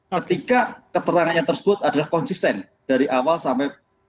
ketika keterangannya tersebut adalah konsisten dari awal sampai kesaksian yang terakhir